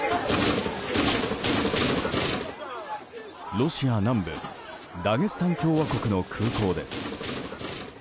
ロシア南部ダゲスタン共和国の空港です。